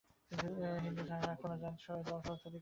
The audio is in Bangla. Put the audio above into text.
হিঁদু ছাড়া আর কোন জাত জলশৌচাদি করে না।